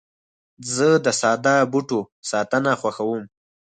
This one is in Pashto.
زه د ساده بوټو ساتنه خوښوم.